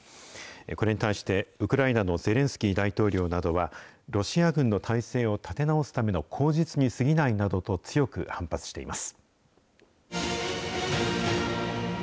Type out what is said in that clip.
これに対して、ウクライナのゼレンスキー大統領などは、ロシア軍の態勢を立て直すための口実にすぎないなどと、強く反発しています。